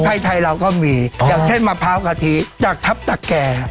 ไทยไทยเราก็มีอย่างเช่นมะพร้าวกะทิจากทัพตะแก่